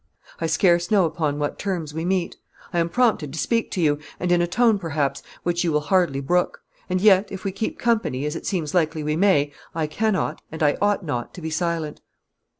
I scarce know upon what terms we meet. I am prompted to speak to you, and in a tone, perhaps, which you will hardly brook; and yet, if we keep company, as it seems likely we may, I cannot, and I ought not, to be silent."